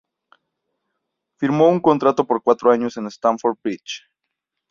Firmó un contrato por cuatro años en Stamford Bridge.